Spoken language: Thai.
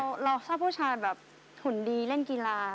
แต่เราชอบผู้ชายหุ่นดีเล่นกีฬา